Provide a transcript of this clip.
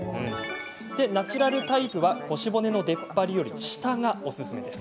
ナチュラルタイプは腰骨の出っ張りより下がおすすめ。